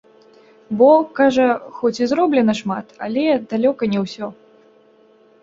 Бо, кажа, хоць і зроблена шмат, але далёка не ўсё.